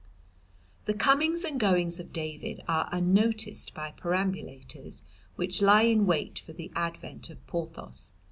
The comings and goings of David are unnoticed by perambulators, which lie in wait for the advent of Porthos.